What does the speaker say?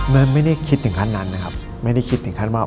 ไม่ได้คิดถึงขั้นนั้นนะครับไม่ได้คิดถึงขั้นว่า